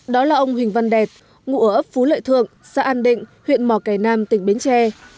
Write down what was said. đó là ông huỳnh văn đẹp ngụ ở ấp phú lợi thượng xã an định huyện mỏ cải nam tỉnh bến tre